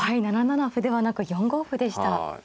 ７七歩ではなく４五歩でした。